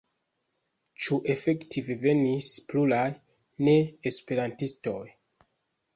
Ĉu efektive venis pluraj neesperantistoj?